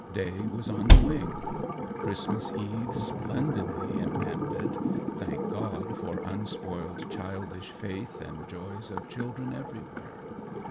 Day was on the wing. Christmas Eve splendidly impended thank God for unspoiled childish faith and joys of children everywhere!